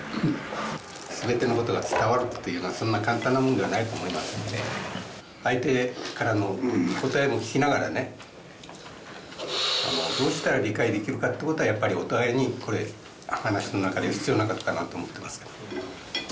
全てのことが伝わるというのはそんな簡単なものではないと思いますので相手からの答えも聞きながらねどうしたら理解できるかということはやっぱりお互いにこれ話の中で必要なことかなと思っていますけど。